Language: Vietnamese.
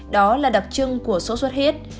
đó là đặc trưng của sốt sốt huyết